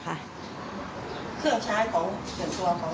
เครื่องใช้ของหยุดตัวของ